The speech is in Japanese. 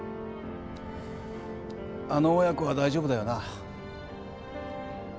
あの親子は大丈夫だよな？